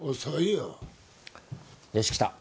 よしきた。